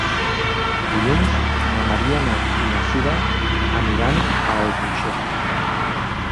Dilluns na Mariona i na Sira aniran a Albuixec.